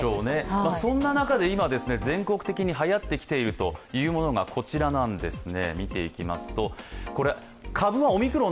そんな中で今、全国的にはやってきているものがこちらなんですね。